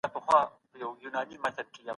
ادبیات په ټولنه کي خپله لاره جوړوي.